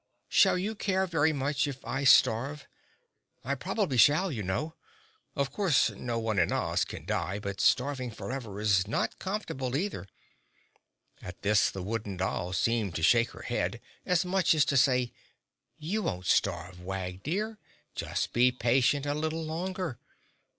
"Shall you care very much if I starve? I probably shall, you know. Of course no one in Oz can die, but starving forever is not comfortable either." At this the wooden doll seemed to shake her head, as much as to say: "You won't starve, Wag dear; just be patient a little longer."